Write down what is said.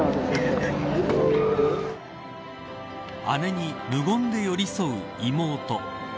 姉に無言で寄り添う妹。